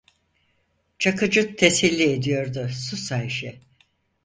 Çakıcı teselli ediyordu: - Sus Ayşe.